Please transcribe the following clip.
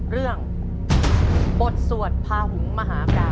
เรื่องบทสวดพาหุงมหาปรา